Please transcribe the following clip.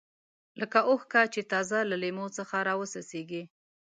لکه اوښکه چې تازه له لیمو څخه راوڅڅېږي.